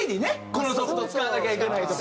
このソフト使わなきゃいけないとか。